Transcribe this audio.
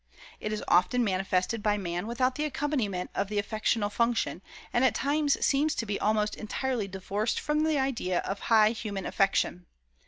It is often manifested by man without the accompaniment of the affectional function, and at times seems to be almost entirely divorced from the idea of high human affection.